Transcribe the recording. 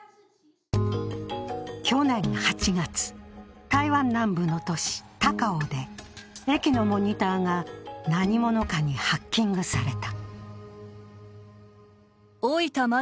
去年８月、台湾南部の都市・高雄で駅のモニターが何者かにハッキングされた。